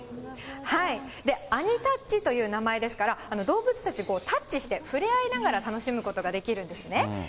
アニタッチという名前ですから、動物たち、タッチして触れ合いながら楽しむことができるんですね。